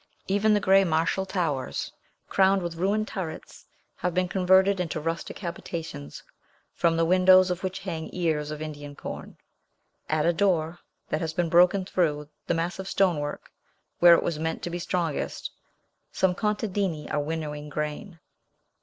Even the gray, martial towers, crowned with ruined turrets, have been converted into rustic habitations, from the windows of which hang ears of Indian corn. At a door, that has been broken through the massive stonework where it was meant to be strongest, some contadini are winnowing grain.